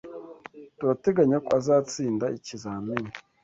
Turateganya ko azatsinda ikizamini.